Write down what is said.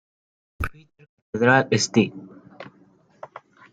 Peter Cathedral", "St.